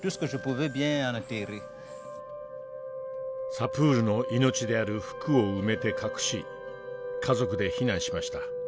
サプールの命である服を埋めて隠し家族で避難しました。